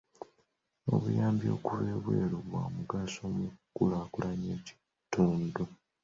Obuyamb okuva ebweru bwa mugaso mu kkulaakulanya ekitundu.